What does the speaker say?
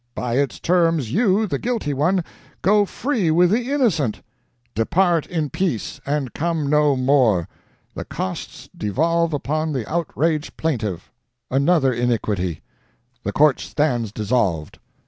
By its terms you, the guilty one, go free with the innocent. Depart in peace, and come no more! The costs devolve upon the outraged plaintiff another iniquity. The court stands dissolved."